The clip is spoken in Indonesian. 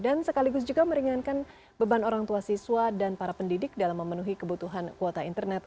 dan sekaligus juga meringankan beban orang tua siswa dan para pendidik dalam memenuhi kebutuhan kuota internet